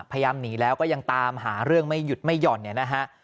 พยายามหนีแล้วก็ยังตามหาเรื่องไม่หยุดไม่หย่อน